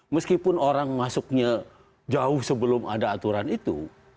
meskipun orang masuknya jauh sebelum ada aturan itu